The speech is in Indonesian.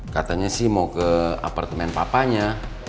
katanya sih mau ke apartemen papanya